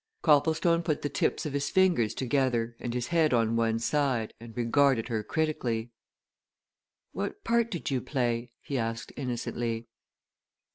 Copplestone put the tips of his fingers together and his head on one side and regarded her critically. "What part did you play?" he asked innocently.